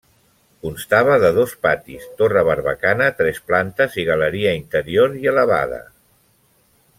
Constava de dos patis, torre barbacana, tres plantes i galeria interior i elevada.